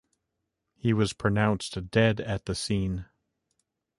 He was pronounced dead at the scene.